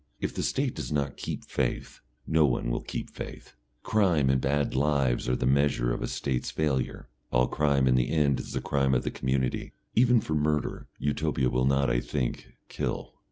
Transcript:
If the State does not keep faith, no one will keep faith. Crime and bad lives are the measure of a State's failure, all crime in the end is the crime of the community. Even for murder Utopia will not, I think, kill.